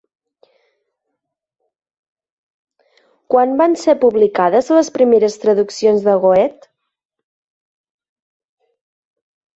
Quan van ser publicades les primeres traduccions de Goethe?